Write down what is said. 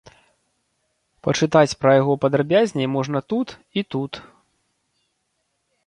Пачытаць пра яго падрабязней можна тут і тут.